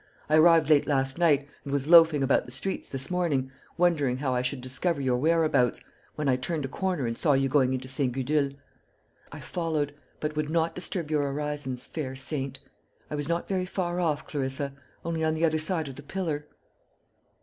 I arrived late last night, and was loafing about the streets this morning, wondering how I should discover your whereabouts, when I turned a corner and saw you going into St. Gudule. I followed, but would not disturb your orisons, fair saint. I was not very far off, Clarissa only on the other side of the pillar."